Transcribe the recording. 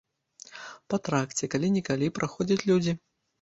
Па тракце калі-нікалі праходзяць людзі.